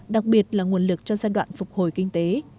đặc biệt là nguồn lực cho giai đoạn phục hồi kinh tế